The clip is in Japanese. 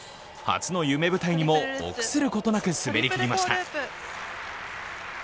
初の夢舞台にも臆することなく滑りきりました。